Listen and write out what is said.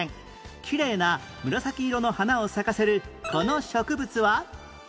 きれいな紫色の花を咲かせるこの植物は？